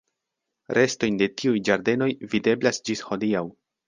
Restojn de tiuj ĝardenoj videblas ĝis hodiaŭ.